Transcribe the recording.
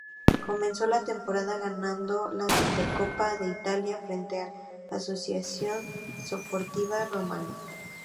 Comenzó la temporada ganando la Supercopa de Italia frente al Associazione Sportiva Roma.